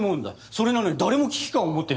それなのに誰も危機感を持っていない。